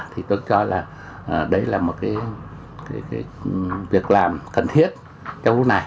thì tôi cho là đấy là một cái việc làm cần thiết trong lúc này